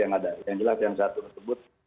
yang ada yang satu tersebut